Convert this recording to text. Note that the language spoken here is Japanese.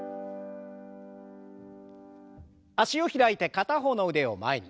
脚を開いて片方の腕を前に。